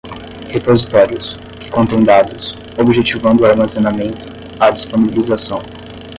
repositórios, que contêm dados, objetivando o armazenamento, a disponibilização